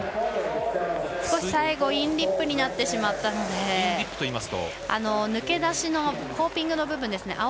少し最後インリップになってしまったので抜け出しのコーティングの部分ですね。